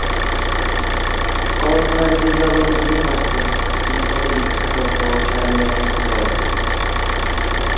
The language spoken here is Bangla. কল্পনার সে জগতে তিনি ভাবতেন তিনি কত বিখ্যাত, প্রভাবশালী এবং সফল।